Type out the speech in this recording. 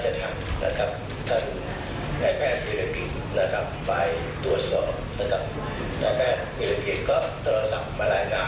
จากทางคนอื่นได้อย่างไรนะครับ